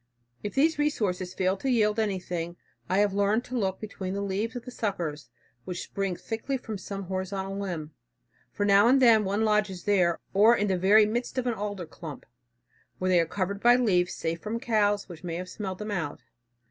If these resources fail to yield anything, I have learned to look between the leaves of the suckers which spring thickly from some horizontal limb, for now and then one lodges there, or in the very midst of an alder clump, where they are covered by leaves, safe from cows which may have smelled them out.